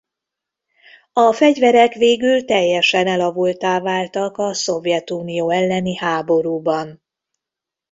A fegyverek végül teljesen elavulttá váltak a Szovjetunió elleni háborúban.